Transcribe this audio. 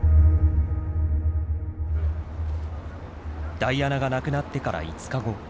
ダイアナが亡くなってから５日後。